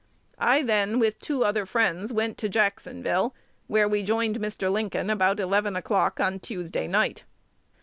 I then, with two other friends, went to Jacksonville, where we joined Mr. Lincoln about 11 o'clock on Tuesday night.